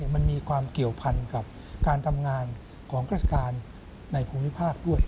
มันมีความเกี่ยวพันกับการทำงานของราชการในภูมิภาคด้วย